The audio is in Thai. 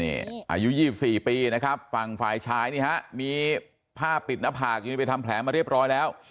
อายุ๒๔ปีนะครับฝั่งฝ่ายชายนี่ฮะมีผ้าปิดหน้าผากอยู่นี่ไปทำแผลมาเรียบร้อยแล้ว